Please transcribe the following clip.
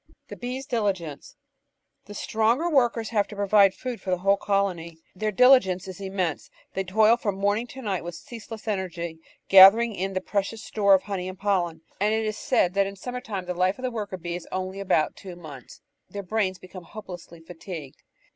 The Bees* Diligence The stronger workers have to provide food for the whole colony. Their diligence is immense; they toil from morning to night with ceaseless energy, gathering in the precious store of honey and pollen, and it is said that in summer time the average 524 The Outline of Science life of a worker bee is only about two months. Their brains be come hopelessly fatigued.